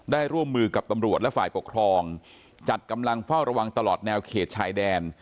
ร่วมมือกับตำรวจและฝ่ายปกครองจัดกำลังเฝ้าระวังตลอดแนวเขตชายแดน